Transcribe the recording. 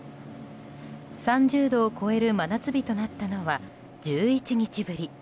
３０度を超える真夏日となったのは１１日ぶり。